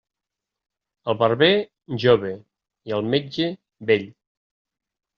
El barber, jove, i el metge, vell.